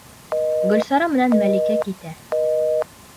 Гөлсара менән Мәликә китә.